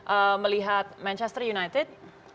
kita akan melihat manchester united